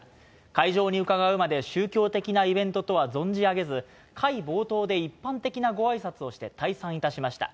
会場に伺うまで宗教的なイベントとは存じ上げず、会冒頭で一般的なごあいさつをして退散いたしました。